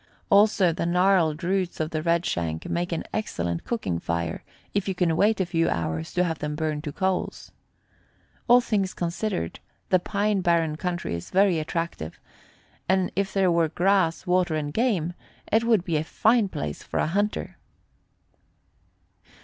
Also, the gnarled roots of the red shank make an excellent cooking fire, if you can wait a few hours to have them burn to coals. All things considered, the pine barren country is very attractive, and if there were grass, water and game, it would be a fine place for a hunter.